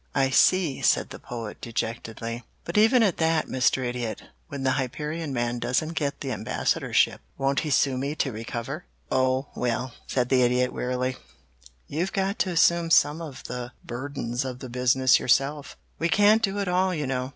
"I see," said the Poet dejectedly. "But even at that, Mr. Idiot, when the Hyperion man doesn't get the Ambassadorship, won't he sue me to recover?" "Oh, well," said the Idiot wearily, "you've got to assume some of the burdens of the business yourself. We can't do it all, you know.